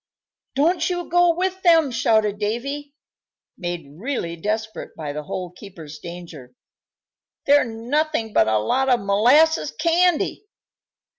"Don't you go with them!" shouted Davy, made really desperate by the Hole keeper's danger. "They're nothing but a lot of molasses candy!"